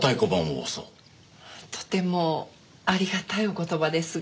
とてもありがたいお言葉ですが。